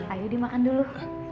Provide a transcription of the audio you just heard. ayo dimakan dulu